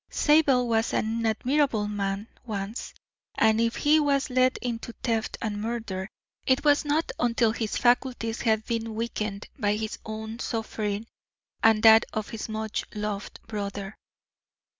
Zabel was an admirable man once, and if he was led into theft and murder, it was not until his faculties had been weakened by his own suffering and that of his much loved brother."